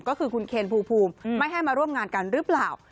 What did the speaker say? ก็คือคุณเคนภูมิไม่ให้มาร่วมงานกันหรือเปล่า